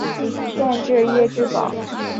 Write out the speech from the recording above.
县治耶芝堡。